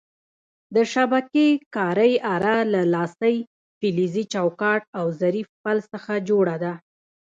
د شبکې کارۍ اره له لاسۍ، فلزي چوکاټ او ظریف پل څخه جوړه ده.